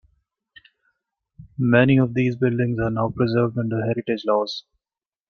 Many of these buildings are now preserved under heritage laws.